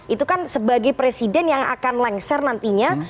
itu kan sebagai presiden yang akan lengser nantinya